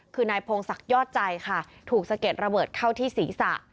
คือนายพงศักดิ์ยอดใจค่ะถูกสะเก็ดระเบิดเข้าที่ศีรษะ